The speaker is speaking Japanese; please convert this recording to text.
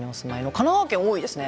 神奈川県多いですね。